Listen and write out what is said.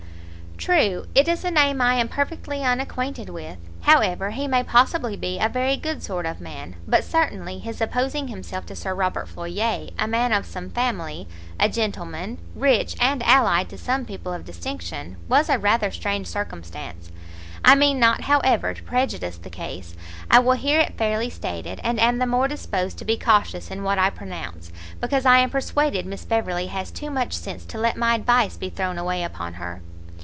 "True; it is a name I am perfectly unacquainted with: however, he may possibly be a very good sort of man; but certainly his opposing himself to Sir Robert Floyer, a man of some family, a gentleman, rich, and allied to some people of distinction, was a rather strange circumstance: I mean not, however, to prejudge the case; I will hear it fairly stated; and am the more disposed to be cautious in what I pronounce, because I am persuaded Miss Beverley has too much sense to let my advice be thrown away upon her."